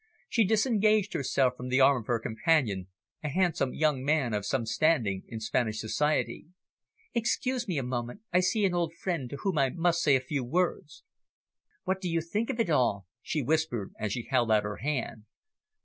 She disengaged herself from the arm of her companion, a handsome young man of some standing in Spanish Society. "Excuse me a moment. I see an old friend, to whom I must say a few words." "What do you think of it all?" she whispered, as she held out her hand.